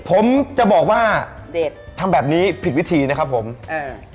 ผมจะบอกว่าเด็ดทำแบบนี้ผิดวิธีนะครับผมอ่า